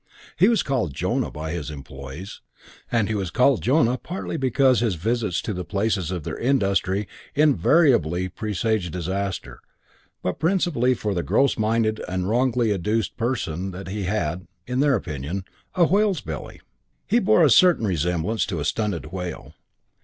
He was called Jonah by his employees; and he was called Jonah partly because his visits to the places of their industry invariably presaged disaster, but principally for the gross minded and wrongly adduced reason that he had (in their opinion) a whale's belly. IV He bore a certain resemblance to a stunted whale.